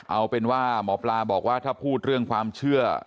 เอาเป็นว่าหมอปลาบอกว่าถ้าพูดเรื่องความเชื่อ